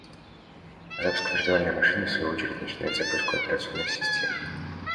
Запуск виртуальной машины в свою очередь начинает загрузку операционной системы